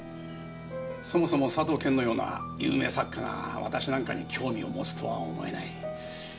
そもそも佐藤謙のような有名作家が私なんかに興味を持つとは思えない。